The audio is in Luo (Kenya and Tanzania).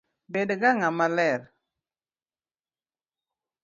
Bed ga ng’ama ler